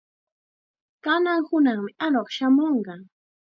Kanan hunaqmi aruq shamunqa.